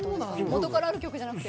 元からある曲じゃなくて？